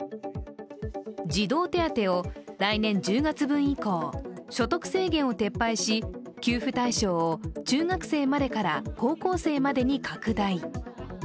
児童手当を来年１０月分以降、所得制限を撤廃し、給付対象を中学生までから、高校生までに拡大。